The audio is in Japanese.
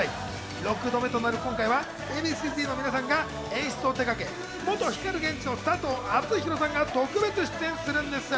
６度目となる今回はＡ．Ｂ．Ｃ−Ｚの皆さんが演出を手がけ、元光ＧＥＮＪＩの佐藤アツヒロさんが特別出演するんです。